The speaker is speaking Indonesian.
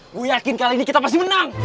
aku yakin kali ini kita pasti menang